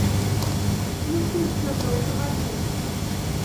Які ж гэта аўтамабіль?